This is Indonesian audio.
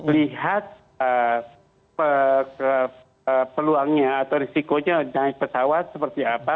lihat peluangnya atau risikonya naik pesawat seperti apa